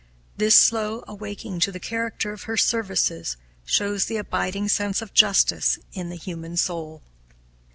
This slow awaking to the character of her services shows the abiding sense of justice in the human soul.